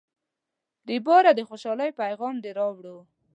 ریبراه، د خوشحالۍ پیغام دې راوړ.